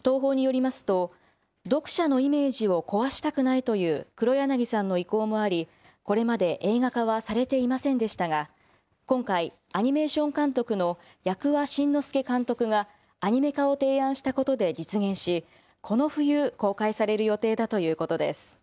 東宝によりますと、読者のイメージを壊したくないという黒柳さんの意向もあり、これまで映画化はされていませんでしたが、今回、アニメーション監督の八鍬新之介監督がアニメ化を提案したことで実現し、この冬、公開される予定だということです。